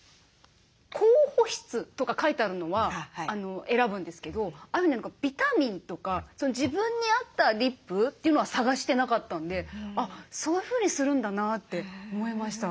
高保湿とか書いてあるのは選ぶんですけどああいうふうにビタミンとか自分に合ったリップというのは探してなかったんでそういうふうにするんだなって思いました。